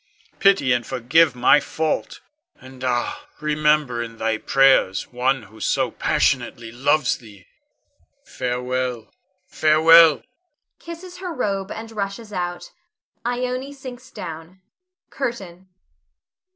Pity and forgive my fault; and ah, remember in thy prayers one who so passionately loves thee. Farewell! farewell! [Kisses her robe and rushes out. Ione sinks down. CURTAIN.